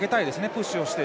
プッシュをして。